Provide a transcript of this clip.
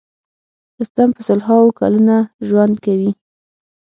رستم په سل هاوو کلونه ژوند کوي.